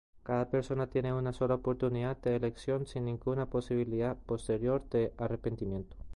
Cada persona tiene una sola oportunidad de elección sin ninguna posibilidad posterior de arrepentimiento.